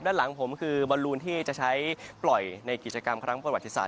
ด้านหลังผมคือบอลลูนที่จะใช้ปล่อยในกิจกรรมครั้งประวัติศาส